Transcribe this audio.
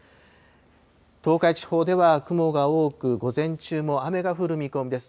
東海地方では雲が多く、午前中も雨が降る見込みです。